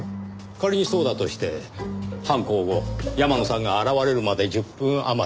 仮にそうだとして犯行後山野さんが現れるまで１０分余り。